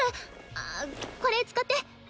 これ使って。